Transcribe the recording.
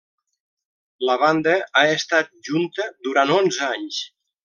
La banda ha estat junta durant onze anys.